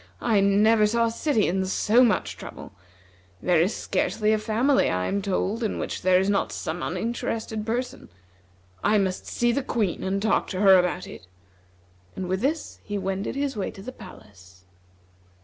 "I never saw a city in so much trouble. There is scarcely a family, I am told, in which there is not some uninterested person I must see the Queen and talk to her about it," and with this he wended his way to the palace.